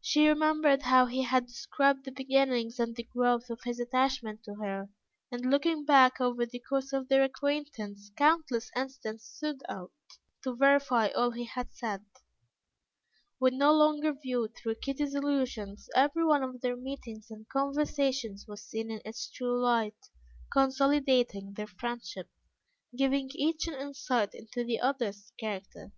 She remembered how he had described the beginnings and the growth of his attachment to her, and looking back over the course of their acquaintance, countless incidents stood out, to verify all he had said. When no longer viewed through Kitty's illusions, every one of their meetings and conversations was seen in its true light, consolidating their friendship, giving each an insight into the other's character.